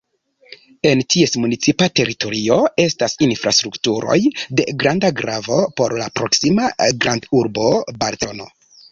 En ties municipa teritorio estas infrastrukturoj de granda gravo por la proksima grandurbo Barcelono.